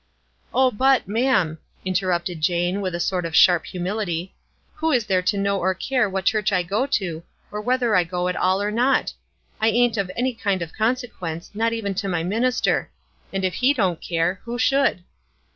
"Oh, but, ma'am," interrupted Jane, with a sort of sharp humility, "who is there to know or care what church I go to, or whether I go at all or not? I ain't of any kind of consequence, not even to my minister ; and if he don't care, who should?"